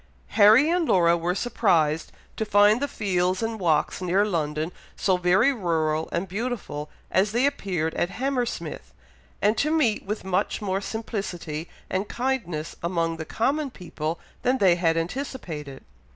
Harry and Laura were surprised to find the fields and walks near London so very rural and beautiful as they appeared at Hammersmith, and to meet with much more simplicity and kindness among the common people than they had anticipated.